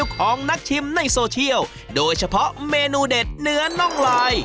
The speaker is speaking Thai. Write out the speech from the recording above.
ของนักชิมในโซเชียลโดยเฉพาะเมนูเด็ดเนื้อน่องลาย